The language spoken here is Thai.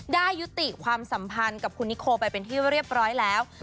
ยุติความสัมพันธ์กับคุณนิโคไปเป็นที่เรียบร้อยแล้ว